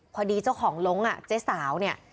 พอดีเจ้าของลงอ่ะเจ๊สาวเนี่ย